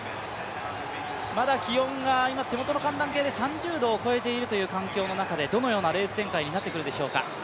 まだ気温が手元の寒暖計で３０度を超えているという展開の中で、どのようなレース展開になってくるでしょうか。